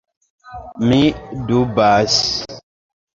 Mi dubas!